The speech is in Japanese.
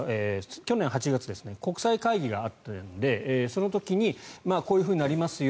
去年の８月は国際会議があったのでその時にこういうふうになりますよ